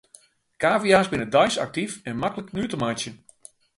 Kavia's binne deis aktyf en maklik nuet te meitsjen.